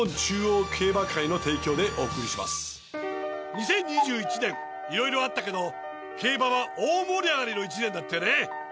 ２０２１年色々あったけど競馬は大盛り上がりの一年だったよね。